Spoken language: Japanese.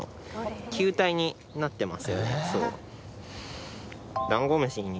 球体になってますよね。